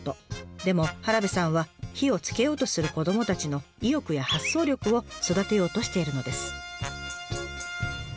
でも原部さんは火をつけようとする子どもたちの意欲や発想力を育てようとしているのです。